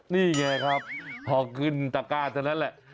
นี่ไงครับพอขึ้นตะก้าเท่านั้นแหละ